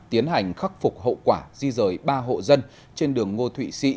tiến hành khắc phục hậu quả di rời ba hộ dân trên đường ngô thụy sĩ